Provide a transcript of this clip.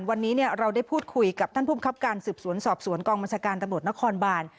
วันนี้เราได้พูดคุยกับท่านภูมิครับการสืบสวนสอบสวนกองบัญชาการตำรวจนครบาน